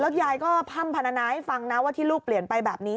ยายก็พ่ำพนาให้ฟังนะว่าที่ลูกเปลี่ยนไปแบบนี้